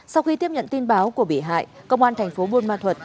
sau khi tiếp nhận tin báo của bị hại công an tp bun ma thuật